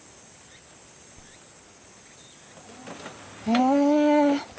へえ。